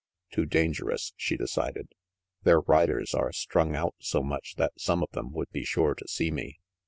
"Too dangerous," she decided. "Their riders are strung out so much that some of them would be sure to see me.